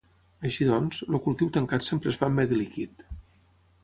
Així doncs el cultiu tancat sempre es fa en medi líquid.